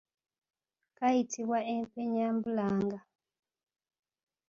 Kayitibwa empenyabulanga.